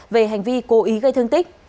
về hành vi cố ý gây thương tích